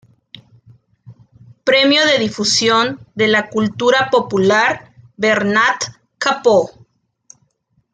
Premio de difusión de la Cultura Popular Bernat Capó.